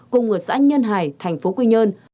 cùng người xã nhân hải thành phố quy nhơn